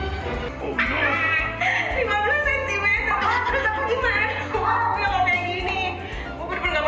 emang kalau mau belanja online harus di tempat yang terpercaya kan